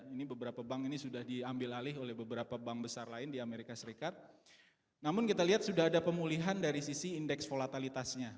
ini beberapa bank ini sudah diambil alih oleh beberapa bank besar lain di amerika serikat namun kita lihat sudah ada pemulihan dari sisi indeks volatilitasnya